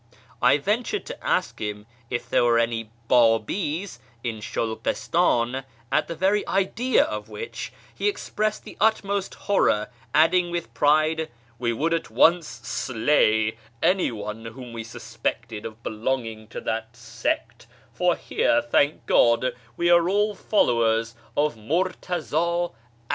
I ventured to ask him if there were any Babi's in Shulghistan, at the very idea of which he expressed the utmost horror, adding with pride, " We would at once slay anyone FROM ISFAHAN TO SHIRAZ 229 whom we suspected of belonging to that sect, for here, thank God, we are all followers of Murtaza 'Ah'."